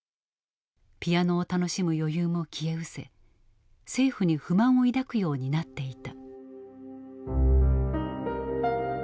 ピアノを楽しむ余裕も消えうせ政府に不満を抱くようになっていた。